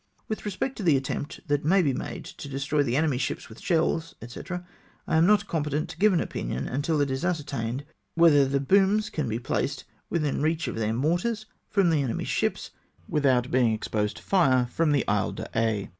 " With respect to the attempt that may be made to de stroy the enemy's ships with shells, &c., I am not competent to give an opinion until it is ascertained whether the booms can be placed within the reach of their mortars from the enemy's ships, without being exposed to the fire of the Isle d'i^ix.